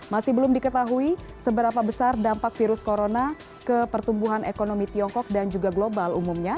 masih belum diketahui seberapa besar dampak virus corona ke pertumbuhan ekonomi tiongkok dan juga global umumnya